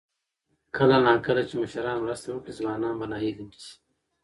کله نا کله چې مشران مرسته وکړي، ځوانان به ناهیلي نه شي.